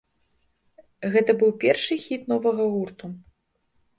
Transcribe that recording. Гэта быў першы хіт новага гурту.